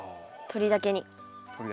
鳥だけに。